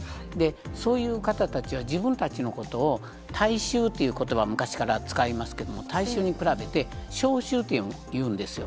そういう方たちは自分たちのことを、大衆ということば、昔から使いますけども、大衆に比べて、小衆っていうんですよ。